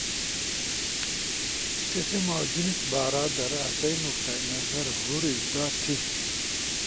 قسم اؤ جنس بارا در آسئی نقطہ نظر ہور ازدا تھی۔